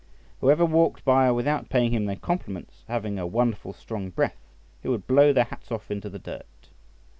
Whoever walked by without paying him their compliments, having a wonderful strong breath, he would blow their hats off into the dirt.